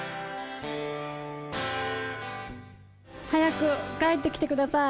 早く帰ってきて下さい。